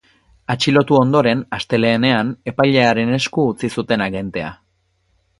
Atxilotu ondoren, astelehenean, epailearen esku utzi zuten agentea.